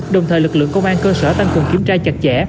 đồng thời lực lượng công an cơ sở tăng cường kiểm tra chặt chẽ